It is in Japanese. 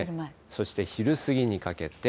そして昼過ぎにかけて。